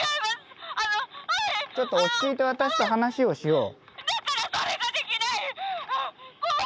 ちょっと落ち着いて私と話をしよう。